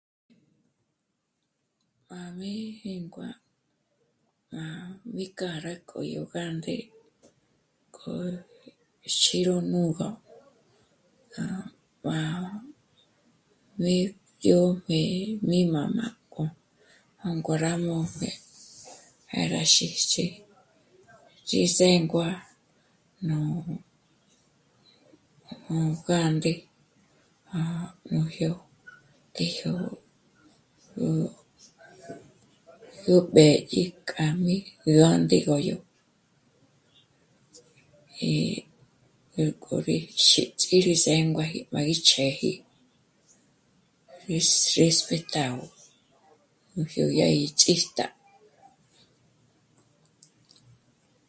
Má jmí jíngua má mí kjâ'a rá k'o yó gánde... k'o xîró mú'ugö... ah... bá... mí ñô'm'e mí mā́m'ā́ k'o... jôngo rá mópje. Ya rá xíts'i rí zéngua nú... nú gánde à nújyó, k'éjyó ju... yó mbédyi kja mí gánde gó yó... y... yó k'o rí xíts'í rí zénguaji k'o rí ch'ë́ji rís... respetágo nújyó yá gí ch'íjt'a